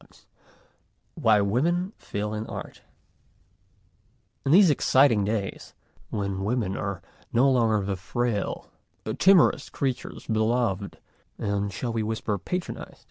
XV WHY WOMEN FAIL IN ART IN these exciting days, when women are no longer the frail, timorous creatures beloved and shall we whisper patronized?